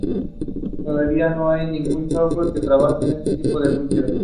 Todavía no hay ningún software que trabaje este tipo de búsquedas.